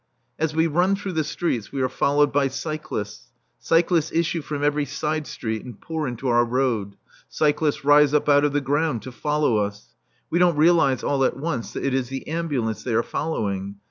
As we run through the streets we are followed by cyclists; cyclists issue from every side street and pour into our road; cyclists rise up out of the ground to follow us. We don't realize all at once that it is the ambulance they are following.